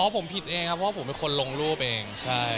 ผมผิดเองครับเพราะผมเป็นคนลงรูปเองใช่